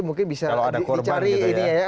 mungkin bisa dicari ini ya